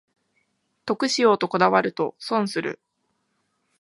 得しようとこだわると損する